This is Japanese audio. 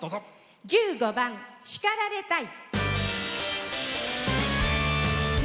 １５番「叱られたい！」。